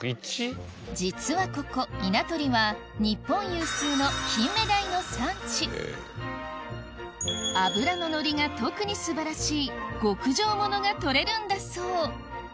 実はここ稲取は日本有数の金目鯛の産地脂の乗りが特に素晴らしい極上ものが取れるんだそう